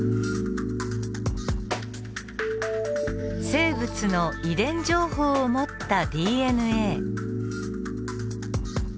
生物の遺伝情報を持ったＤＮＡ。